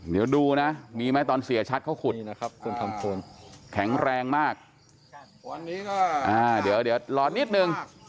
เดี๋ยวดูนะมีไหมตอนเสียชัดเขาขุดนะครับแข็งแรงมากเดี๋ยวรอนิดนึง